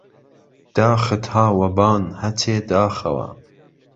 داخت ها وه بان ههچێ داخهوه